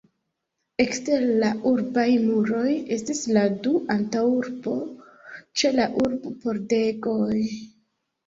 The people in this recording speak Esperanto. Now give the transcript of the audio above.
Ekster la urbaj muroj estis la du antaŭurboj ĉe la urb-pordegoj.